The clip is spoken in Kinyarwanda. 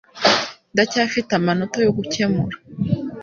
Ndacyafite amanota yo gukemura.